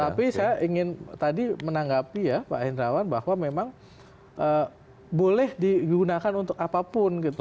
tapi saya ingin tadi menanggapi ya pak hendrawan bahwa memang boleh digunakan untuk apapun gitu